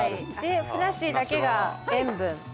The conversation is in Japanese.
でふなっしーだけが塩分。